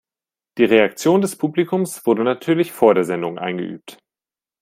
Die Reaktion des Publikums wurde natürlich vor der Sendung eingeübt.